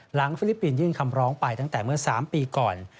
ฟิลิปปินสยื่นคำร้องไปตั้งแต่เมื่อ๓ปีก่อน